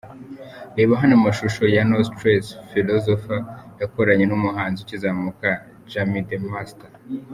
Reba hano amashusho ya 'No stress' Philosophe yakoranye n'umuhanzi ukizamuka Jammy The Master .